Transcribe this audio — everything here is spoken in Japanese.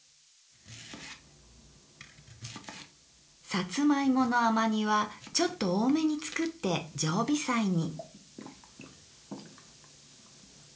さつまいもの甘煮はちょっと多めに作って常備菜に。